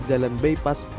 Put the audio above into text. jalan beipas ida